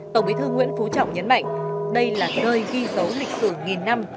tổng bí thư nguyễn phú trọng nhấn mạnh đây là nơi ghi dấu lịch sử nghìn năm